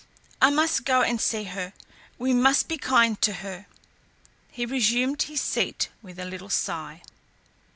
I must go and see her. We must be kind to her." He resumed his seat with a little sigh.